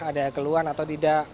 ada keluhan atau tidak